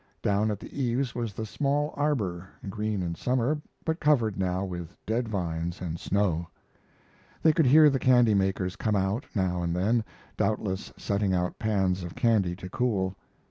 Down at the eaves was the small arbor, green in summer, but covered now with dead vines and snow. They could hear the candymakers come out, now and then, doubtless setting out pans of candy to cool.